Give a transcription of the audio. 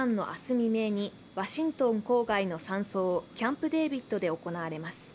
未明にワシントン郊外の山荘、キャンプ・デービッドで行われます。